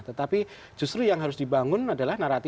tetapi justru yang harus dibangun adalah narasi